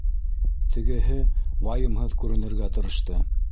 Тегеһе вайымһыҙ күренергә тырышты: